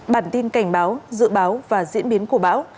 bản tin cảnh báo dự báo và diễn biến của bão